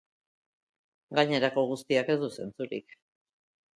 Gainerako guztiak ez du zentzurik.